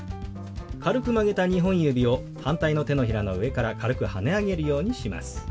軽く曲げた２本指を反対の手のひらの上から軽くはね上げるようにします。